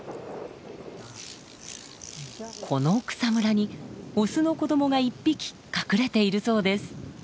この草むらにオスの子どもが１匹隠れているそうです。